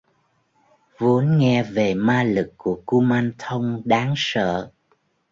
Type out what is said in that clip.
vốn nghe về ma lực của Kumanthong đáng sợ